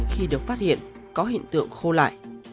khi được phát hiện có hình tượng khô lại